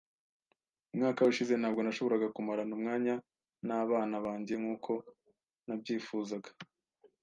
Umwaka ushize, ntabwo nashoboraga kumarana umwanya nabana banjye nkuko nabyifuzaga.